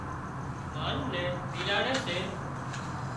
مال نين زيلاڙي سي